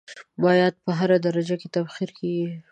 مایعات په هره درجه کې تبخیر کیږي.